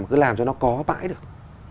mà cứ làm cho nó có mãi được